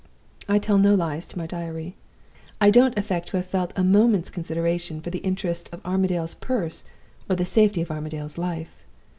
I tell no lies to my Diary. I don't affect to have felt a moment's consideration for the interests of Armadale's purse or the safety of Armadale's life.